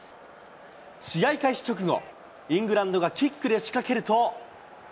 試合開始直後、イングランドがキックで仕掛けると。